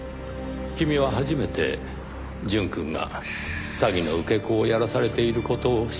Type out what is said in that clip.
君は初めて淳くんが詐欺の受け子をやらされている事を知った。